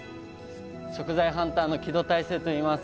食材ハンターの木戸大聖といいます。